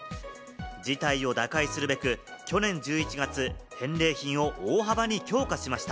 事態を打開するべく、去年１１月、返礼品を大幅に強化しました。